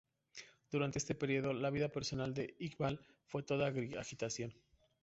Durante este periodo, la vida personal de Iqbal fue toda agitación.